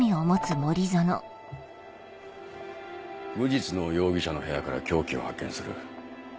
無実の容疑者の部屋から凶器を発見する。